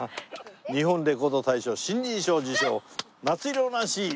日本レコード大賞新人賞受賞『夏色のナンシー』早見優です！